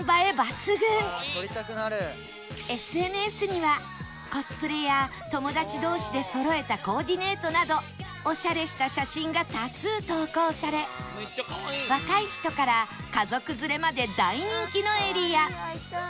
ＳＮＳ にはコスプレや友達同士でそろえたコーディネートなどオシャレした写真が多数投稿され若い人から家族連れまで大人気のエリア